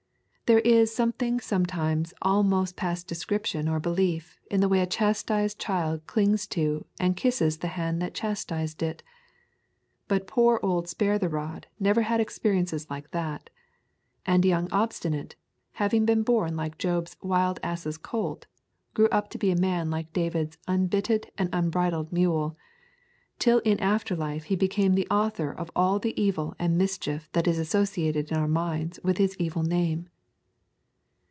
There is something sometimes almost past description or belief in the way a chastised child clings to and kisses the hand that chastised it. But poor old Spare the Rod never had experiences like that. And young Obstinate, having been born like Job's wild ass's colt, grew up to be a man like David's unbitted and unbridled mule, till in after life he became the author of all the evil and mischief that is associated in our minds with his evil name.